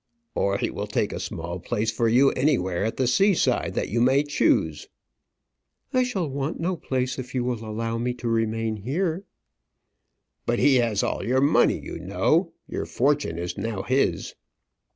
"Or he will take a small place for you anywhere at the sea side that you may choose." "I shall want no place if you will allow me to remain here." "But he has all your money, you know your fortune is now his."